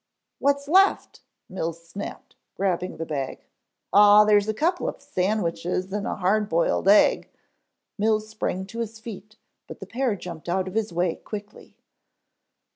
"What's left?" Mills snapped, grabbing the bag. "Aw there's a couple of sandwiches en a hard boiled egg " Mills sprang to his feet but the pair jumped out of his way quickly.